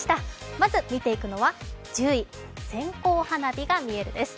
まず見ていくのは１０位、線香花火が見えるです。